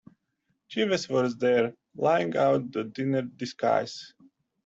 Jeeves was there, laying out the dinner disguise.